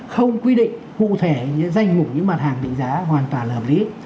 không quy định cụ thể những danh mục những mặt hàng định giá hoàn toàn là hợp lý